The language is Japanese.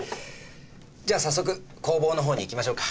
じゃあ早速工房のほうに行きましょうか。